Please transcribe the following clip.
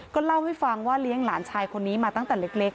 ก็เล่าให้ฟังว่าเลี้ยงหลานชายคนนี้มาตั้งแต่เล็ก